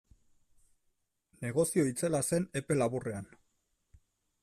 Negozio itzela zen epe laburrean.